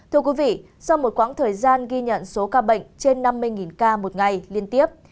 thưa quý vị sau một quãng thời gian ghi nhận số ca bệnh trên năm mươi ca một ngày liên tiếp